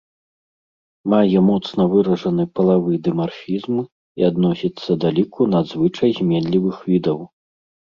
Мае моцна выражаны палавы дымарфізм і адносіцца да ліку надзвычай зменлівых відаў.